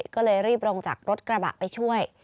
ก็เลยรีบลงจากรถกระบะไปช่วย